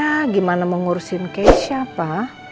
ya gimana mengurusin cash nya pa